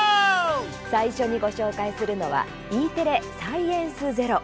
最初にご紹介するのはＥテレ「サイエンスＺＥＲＯ」。